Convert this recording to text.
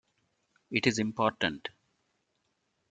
It is important.